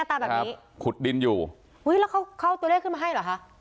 นี่นี่นี่หน้าตาแบบนี้ครับขุดดินอยู่อุ๊ยแล้วเขาเขาตัวเลขขึ้นมาให้เหรอคะ